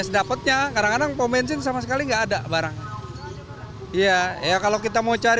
dapatnya kadang kadang pom bensin sama sekali enggak ada barang iya ya kalau kita mau cari